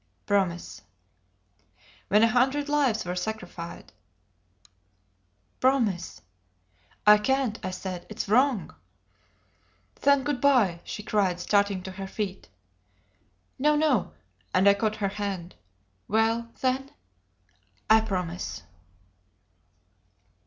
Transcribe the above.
"Promise!" "When a hundred lives were sacrificed " "Promise!" "I can't," I said. "It's wrong." "Then good by!" she cried, starting to her feet. "No no " and I caught her hand. "Well, then?" "I promise."